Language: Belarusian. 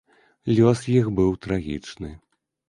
Лёс іх быў трагічны.